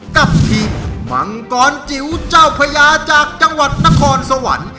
กับทีมมังกรจิ๋วเจ้าพญาจากจังหวัดนครสวรรค์